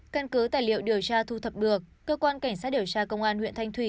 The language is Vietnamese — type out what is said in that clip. căn cứ tài liệu điều tra thu thập được cơ quan cảnh sát điều tra công an huyện thanh thủy